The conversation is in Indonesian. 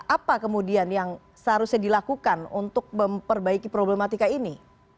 apa kemudian yang seharusnya dilakukan untuk memperbaiki problematika ini